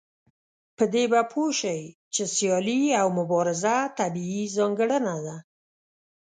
په دې به پوه شئ چې سيالي او مبارزه طبيعي ځانګړنه ده.